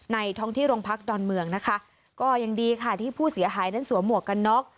ท้องที่โรงพักดอนเมืองนะคะก็ยังดีค่ะที่ผู้เสียหายนั้นสวมหมวกกันน็อก